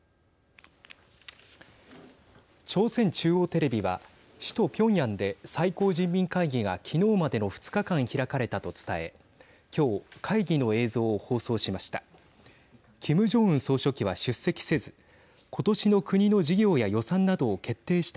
朝鮮中央テレビは首都ピョンヤンで最高人民会議が昨日までの２日間、開かれたと伝え今日会議の映像を放送しました。